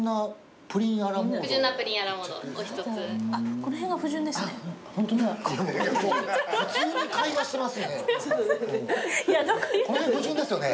「この辺不純ですよね」